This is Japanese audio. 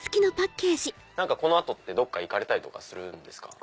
この後ってどっか行かれたりとかするんですか？